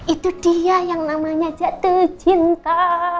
itu dia yang namanya jatuh cinta